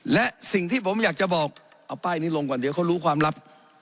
และสิ่งที่ผมอยากจะบอกเอาป้ายนี้ลงก่อนเดี๋ยวเขารู้ความลับ